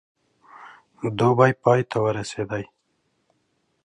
دوبی پای ته ورسېدی.